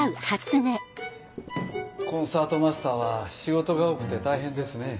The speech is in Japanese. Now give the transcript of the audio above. コンサートマスターは仕事が多くて大変ですね。